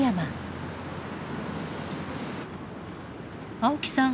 青木さん